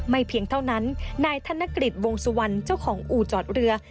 เพียงเท่านั้นนายธนกฤษวงสุวรรณเจ้าของอู่จอดเรือ